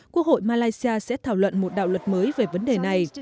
quốc hội malaysia sẽ thảo luận một đạo luật mới về vấn đề này